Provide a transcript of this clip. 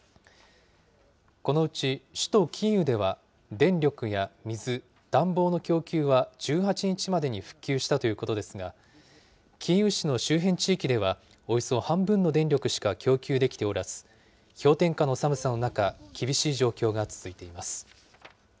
このうち首都キーウでは、電力や水、暖房の供給は１８日までに復旧したということですが、キーウ市の周辺地域ではおよそ半分の電力しか供給できておらず、氷点下の寒さの中、厳しい状況が続いています。